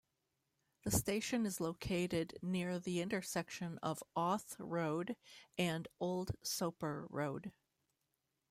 The station is located near the intersection of Auth Road and Old Soper Road.